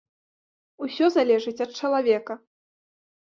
Усё залежыць ад чалавека.